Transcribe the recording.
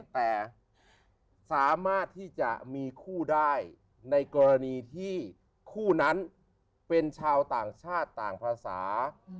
แต่สามารถที่จะมีคู่ได้ในกรณีที่คู่นั้นเป็นชาวต่างชาติต่างภาษา